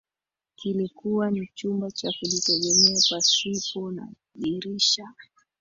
Kilikuwa ni chumba cha kujitegemea pasipo na dirisha